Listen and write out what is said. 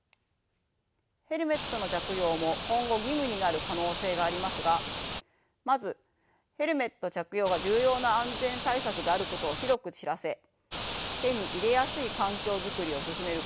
ヘルメットの着用も今後義務になる可能性がありますがまずヘルメット着用が重要な安全対策であることを広く知らせ手に入れやすい環境づくりを進める